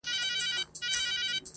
o سپمولي، سپو خوړلي٫